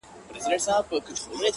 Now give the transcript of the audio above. هغه ليونی سوی له پايکوبه وځي!!